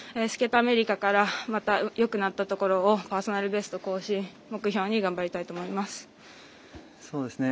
アメリカからまたよくなったところをパーソナルベスト更新を目標に頑張りたいと思います。